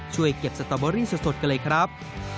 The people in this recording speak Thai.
ช่วยเก็บสตอเบอรี่สดกันเลยครับ